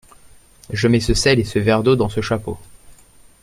Je mets ce sel et ce verre d’eau dans ce chapeau.